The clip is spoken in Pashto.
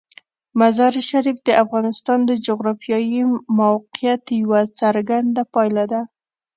مزارشریف د افغانستان د جغرافیایي موقیعت یوه څرګنده پایله ده.